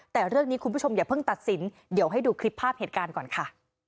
แต่เรื่องนี้คุณผู้ชมอย่าเพิ่งตัดสินเดี๋ยวให้ดูคลิปภาพเหตุการณ์ก่อนค่ะ